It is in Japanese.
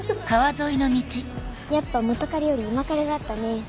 やっぱ元カレより今カレだったね。